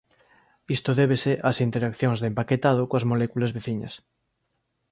Isto débese ás interaccións de empaquetado coas moléculas veciñas.